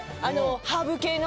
ハーブ系の。